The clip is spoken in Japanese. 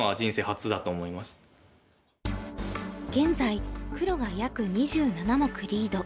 現在黒が約２７目リード。